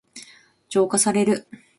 浄化される。